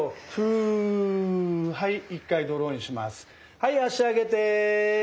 はい脚上げて。